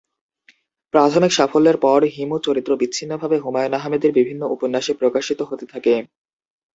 প্রাথমিক সাফল্যের পর "হিমু" চরিত্র বিচ্ছিন্নভাবে হুমায়ুন আহমেদের বিভিন্ন উপন্যাসে প্রকাশিত হতে থাকে।